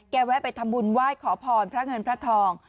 แวะไปทำบุญไหว้ขอพรพระเงินพระทอง